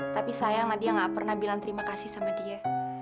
tapi sayang nadia gak pernah bilang terima kasih sama dia